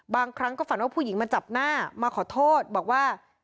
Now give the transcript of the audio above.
บางครั้งก็ฝันว่าผู้หญิงมาจับหน้ามาขอโทษบอกว่า